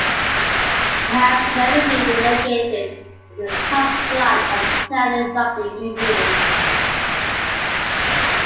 They have never been relegated from the top flight of Italian rugby union.